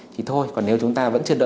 thì thôi còn nếu chúng ta vẫn chưa đỡ